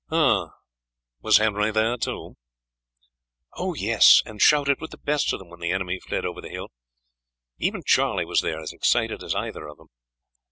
"Was Henry there too?" "Oh, yes; and shouted with the best of them when the enemy fled over the hill. Even Charlie was there, and as excited as either of them.